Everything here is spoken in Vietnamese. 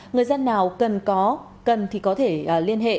người dân nào cần thì có thể liên hệ